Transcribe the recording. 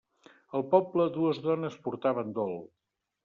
Al poble dues dones portaven dol.